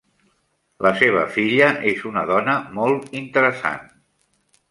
La seva filla és una dona molt interessant.